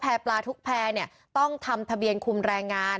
ปลาทุกแพร่ต้องทำทะเบียนคุมแรงงาน